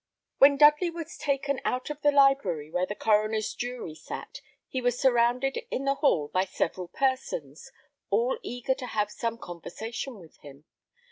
When Dudley was taken out of the library where the coroner's jury sat, he was surrounded in the hall by several persons, all eager to have some conversation with him.